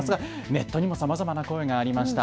ネットにもさまざまな声がありました。